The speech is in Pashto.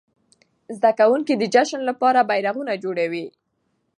زده کوونکي د جشن لپاره بيرغونه جوړوي.